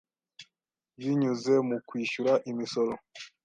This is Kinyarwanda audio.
binyuze mu kwishyura imisoro.